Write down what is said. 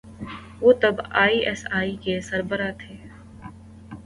وہ تب I S I کے سربراہ تھے۔